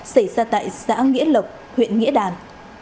xảy ra tại xã nghĩa lộc huyện nghĩa đàn